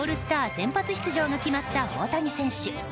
先発出場が決まった大谷選手。